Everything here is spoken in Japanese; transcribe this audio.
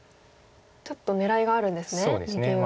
ちょっと狙いがあるんですね右上。